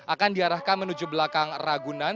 akan diarahkan menuju belakang ragunan